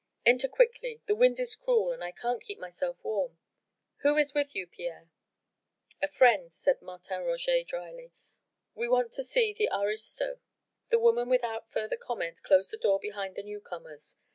"Enter quickly. The wind is cruel, and I can't keep myself warm. Who is with you, Pierre?" "A friend," said Martin Roget drily. "We want to see the aristo." The woman without further comment closed the door behind the new comers.